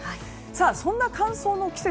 そんな乾燥の季節